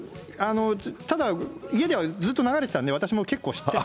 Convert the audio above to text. ただ家ではずっと流れてたんで、私も結構、知ってて。